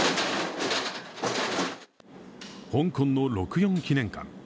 香港の六四記念館。